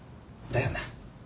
だよな？